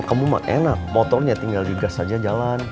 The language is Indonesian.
kamu mah enak motornya tinggal di gas saja jalan